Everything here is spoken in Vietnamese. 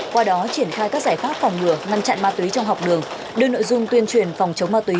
qua đó triển khai các giải pháp phòng ngừa ngăn chặn ma túy trong học đường đưa nội dung tuyên truyền phòng chống ma túy